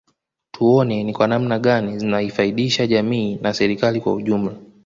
Tuone ni kwa namna gani zinafaidisha jamii na serikali kwa ujumla